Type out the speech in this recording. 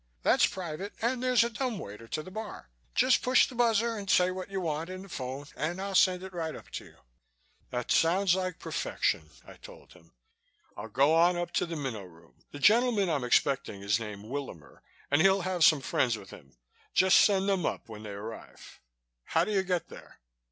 That's private and there's a dumbwaiter to the bar. Just push the buzzer and say what you want in the phone and I'll send it right up to you." "It sounds like perfection," I told him. "I'll go on up to the Minnow Room. The gentleman I'm expecting is named Willamer and he'll have some friends with him. Just send them up when they arrive. How do you get there?"